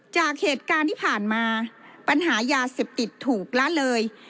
จากเหตุการณ์ที่ผ่านมาปัญหายาเสพติดถูกละเลย